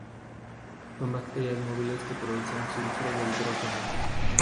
Son bacterias móviles que producen sulfuro de hidrógeno.